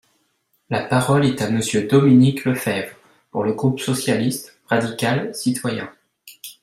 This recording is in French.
La parole est à Monsieur Dominique Lefebvre, pour le groupe socialiste, radical, citoyen.